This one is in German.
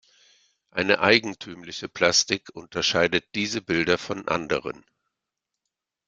Eine eigentümliche Plastik unterscheidet diese Bilder von anderen.